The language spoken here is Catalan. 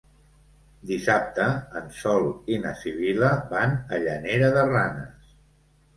Dissabte en Sol i na Sibil·la van a Llanera de Ranes.